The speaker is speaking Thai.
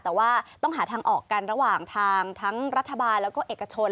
แต่ว่าต้องหาทางออกกันระหว่างทางทั้งรัฐบาลแล้วก็เอกชน